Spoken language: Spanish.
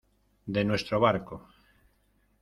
de nuestro barco.